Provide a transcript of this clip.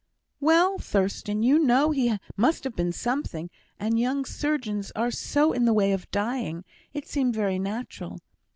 "Well, Thurstan, you know he must have been something; and young surgeons are so in the way of dying, it seemed very natural.